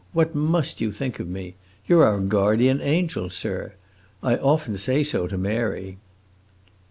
What must you think of me? You 're our guardian angel, sir. I often say so to Mary."